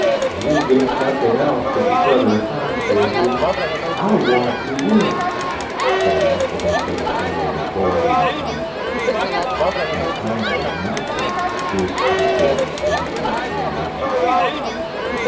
"You'd get something else, if her brother Hans were here. I'll warrant you would!" said a muffled up little fellow with a cold in his head. As Hans was NOT there, Voost could afford to scout the insinuation.